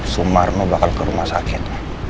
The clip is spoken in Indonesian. sumarno bakal ke rumah sakit